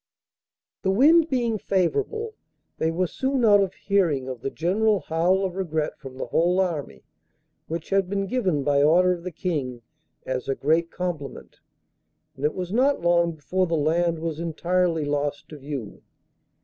The wind being favourable they were soon out of hearing of the general howl of regret from the whole army, which had been given by order of the King, as a great compliment, and it was not long before the land was entirely lost to view.